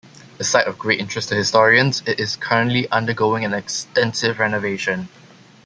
A site of great interest to historians, it is currently undergoing an extensive renovation.